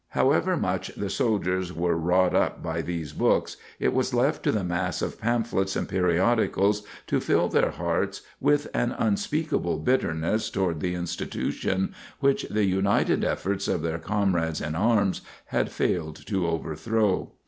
However much the soldiers were wrought up by these books, it was left to the mass of pamphlets and periodicals to fill their hearts with an unspeakable bitterness toward the institution which the united efforts of their comrades in arms had failed to overthrow.